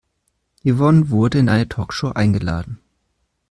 Yvonne wurde in eine Talkshow eingeladen.